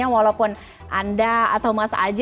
walaupun anda atau mas aji